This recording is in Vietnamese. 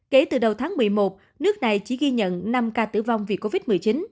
kể từ đầu tháng một mươi một nước này chỉ ghi nhận năm ca tử vong vì covid một mươi chín